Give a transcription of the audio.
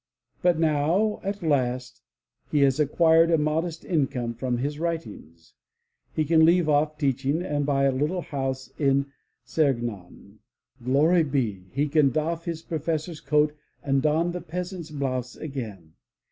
But now, at last, he has acquired a modest income from his writings. He can leave off teaching and buy a little house at Serignan. Glory be! he can doff his professor*s coat and don the peasant's blouse again!